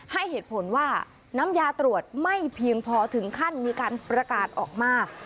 ให้เหตุผลว่าน้ำยาตรวจไม่เพียงพอถึงขั้นมีการประกาศออกมา